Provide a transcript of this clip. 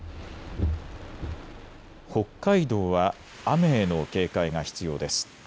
北海道は雨への警戒が必要です。